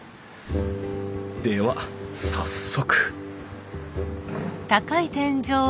では早速！